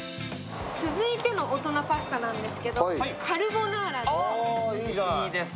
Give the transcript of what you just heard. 続いての大人パスタなんですけれども、カルボナーラです。